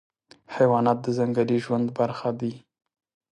حیوانات د ځنګلي ژوند برخه دي.